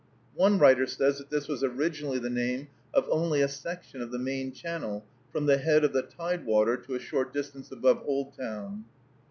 One writer says that this was "originally the name of only a section of the main channel, from the head of the tide water to a short distance above Oldtown."